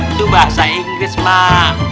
itu bahasa inggris mak